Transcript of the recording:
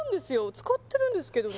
使ってるんですけどね